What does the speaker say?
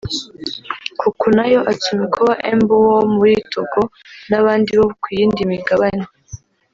Kokou Nayo Atsumikoa M’Beou wo muri Togo n’abandi bo ku yindi migabane